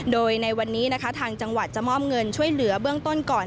โดยในวันนี้นะคะทางจังหวัดจะมอบเงินช่วยเหลือเบื้องต้นก่อน